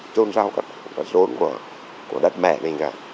trôn sau cặp rôn của đất mẹ mình cả